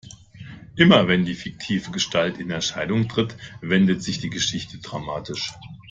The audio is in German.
Immer wenn die fiktive Gestalt in Erscheinung tritt, wendet sich die Geschichte dramatisch.